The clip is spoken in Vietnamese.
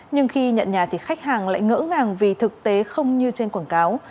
nhưng khi nhận nhà thì khách hàng lại ngỡ ngàng vì thực tế không như trên quảng cáo